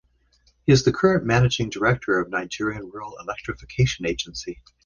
He is the current Managing Director of Nigerian Rural Electrification Agency.